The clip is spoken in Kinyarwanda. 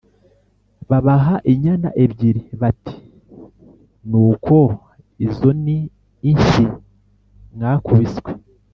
Babaha inyana ebyiri, bati: "Nuko izo ni inshyi mwakubiswe